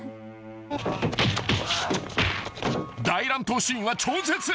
［大乱闘シーンは超絶］